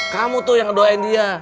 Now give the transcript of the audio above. kamu tuh yang ngedoain dia